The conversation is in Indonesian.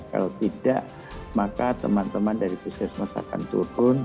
kalau tidak maka teman teman dari puskesmas akan turun